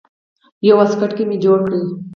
يو واسکټ مې جوړ کړ.